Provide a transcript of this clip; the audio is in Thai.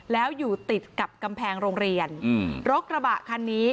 แล้วอยู่ติดกับกำแพงโรงเรียนรถกระบะคันนี้